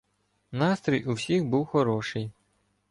Настрій у всіх був хороший.